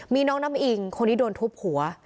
มีน้องน้ำอิงคนนี้โดนทุบหัว